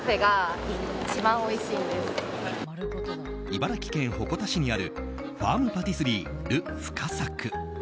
茨城県鉾田市にあるファームパティスリール・フカサク。